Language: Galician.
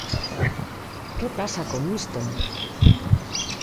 ¿Que pasa con isto?